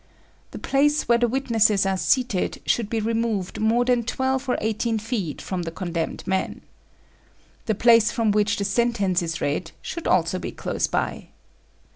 The place where the witnesses are seated should be removed more than twelve or eighteen feet from the condemned man. The place from which the sentence is read should also be close by.